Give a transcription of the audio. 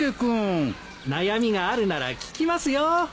悩みがあるなら聞きますよ。